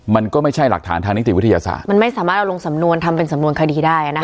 มันก็ไม่ใช่หลักฐานทางนิติวิทยาศาสตร์มันไม่สามารถเอาลงสำนวนทำเป็นสำนวนคดีได้อ่ะนะคะ